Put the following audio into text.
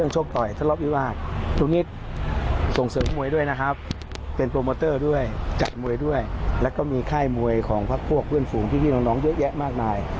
แล้วก็มีค่ายมวยของพักพวกเพื่อนฝูงพี่น้องเยอะแยะมากมาย